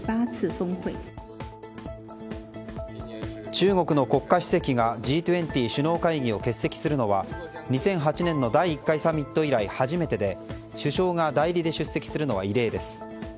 中国の国家主席がＧ２０首脳会議を欠席するのは２００８年の第１回サミット以来初めてで首相が代理で出席するのは異例です。